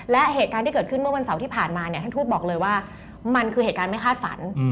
และเหตุการณ์ที่เกิดขึ้นเมื่อวันเสาร์ที่ผ่านมาเนี่ยท่านทูตบอกเลยว่ามันคือเหตุการณ์ไม่คาดฝัน